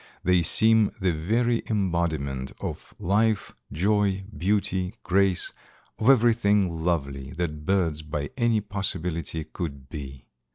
They seem the very embodiment of life, joy, beauty, grace; of everything lovely that birds by any possibility could be.